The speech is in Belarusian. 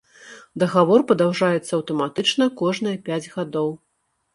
Дагавор падаўжаецца аўтаматычна кожныя пяць гадоў.